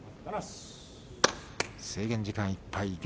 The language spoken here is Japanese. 制限時間いっぱい。